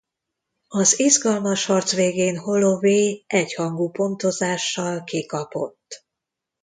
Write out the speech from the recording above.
Az izgalmas harc végén Holloway egyhangú pontozással kikapott.